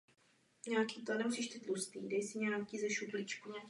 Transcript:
To podle mě není příliš demokratické.